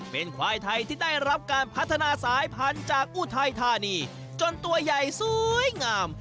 เป็นควายไทยที่ได้รับการพัฒนาสายพันธุ์จากอุทัยธานีจนตัวใหญ่สวยงาม